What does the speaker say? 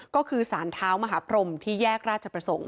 ก็คือสารเท้ามหาพรมที่แยกราชประสงค์